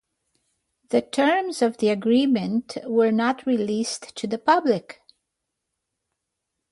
The terms of the agreement were not released to the public.